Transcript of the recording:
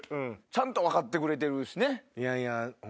ちゃんと分かってくれてるしね。